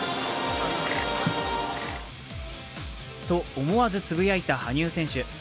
と思わずつぶやいた羽生選手。